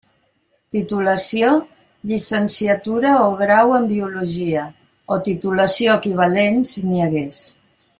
Titulació: llicenciatura o grau en Biologia, o titulació equivalent si n'hi hagués.